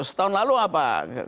setahun lalu apa